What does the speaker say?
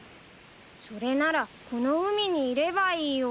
それならこの海にいればいいよ。